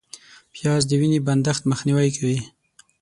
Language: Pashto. پیاز د وینې د بندښت مخنیوی کوي